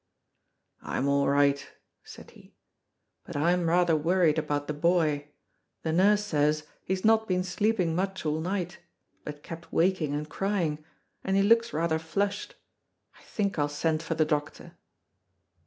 "I'm all right," said he, "but I'm rather worried about the boy. The nurse says he's not been sleeping much all night, but kept waking and crying, and he looks rather flushed. I think I'll send for the doctor."